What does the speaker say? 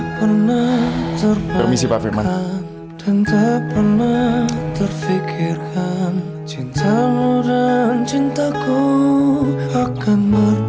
permisi pak fiman